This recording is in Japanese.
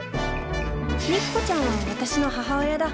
肉子ちゃんは私の母親だ